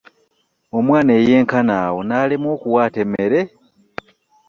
Omwana eyenkana awo n'alemwa n'okuwaata emmere!